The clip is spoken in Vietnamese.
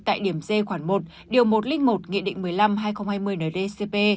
tại điểm d khoản một điều một trăm linh một nghị định một mươi năm hai nghìn hai mươi ndcp